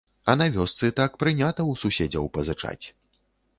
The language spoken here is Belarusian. А на вёсцы так прынята ў суседзяў пазычаць.